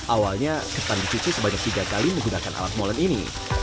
awalnya kesan dicuci sebanyak tiga kali menggunakan alat molen ini